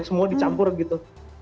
semua dicampur gitu